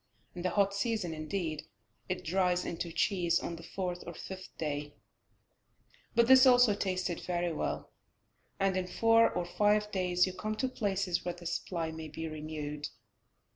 In the hot season, indeed, it dries into cheese on the fourth or fifth day, but this also tastes very well, and in four or five days you come to places where the supply may be renewed.